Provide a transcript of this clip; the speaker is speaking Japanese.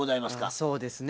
そうですね